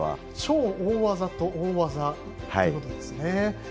超大技と大技ということですね。